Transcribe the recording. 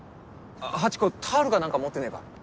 ハチ子タオルか何か持ってねえか？